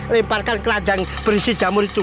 lemparkan keranjang berisi jamur itu